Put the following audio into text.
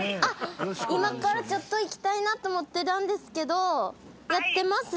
今からちょっと行きたいなと思ってたんですけどやってます？